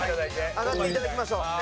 上がっていただきましょう。